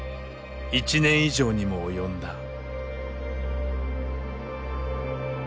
１年以上にも及んだ。